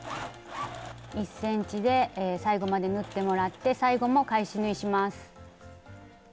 １ｃｍで最後まで縫ってもらって最後も返し縫いします。